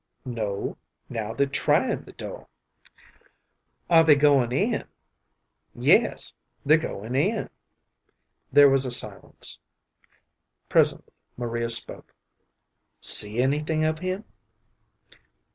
"No. Now they're tryin' the door." "Are they goin' in?" "Yes, they're goin' in." There was a silence. Presently Maria spoke. "See anything of him?"